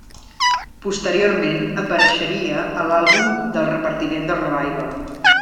Posteriorment apareixeria a l'àlbum del repartiment del revival.